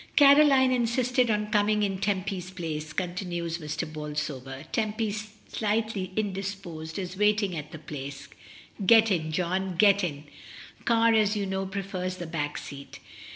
"Caroline insisted on coming in Temp/s place" continues Mr. Bolsover. "Tempy, slightly indisposed, is waiting at the Place; get in, John, get in; Car as you know prefers the back seat."